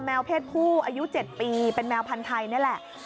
แมวเพศผู่อายุเจ็ดปีเป็นแมวพันธ์ไทยเนี่ยแหละ